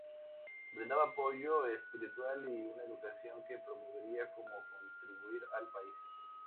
Brindaba apoyo espiritual y una educación que promoviera cómo contribuir al país.